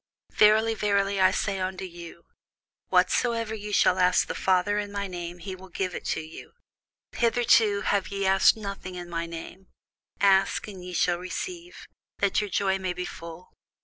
Verily, verily, I say unto you, Whatsoever ye shall ask the Father in my name, he will give it you. Hitherto have ye asked nothing in my name: ask, and ye shall receive, that your joy may be full.